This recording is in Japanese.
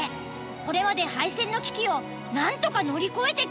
これまで廃線の危機をなんとか乗り越えてきたんだラッカ。